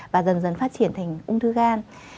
và dần dần phát triển thành ung thư gan